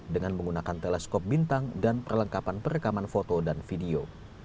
dengan menggunakan teleskop bintang dan perlengkapan perekaman foto dan video